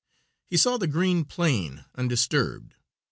He saw the green plain undisturbed.